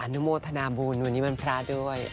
นุโมทนาบุญวันนี้วันพระด้วย